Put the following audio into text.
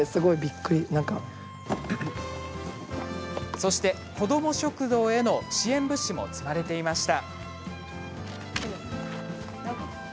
そして子ども食堂への支援物資も積まれていました。